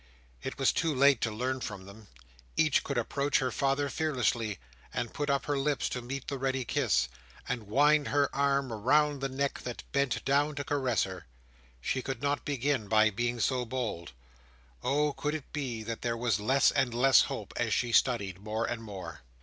It was too late to learn from them; each could approach her father fearlessly, and put up her lips to meet the ready kiss, and wind her arm about the neck that bent down to caress her. She could not begin by being so bold. Oh! could it be that there was less and less hope as she studied more and more!